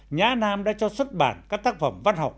nhã nam đã cho xuất bản các tác phẩm văn học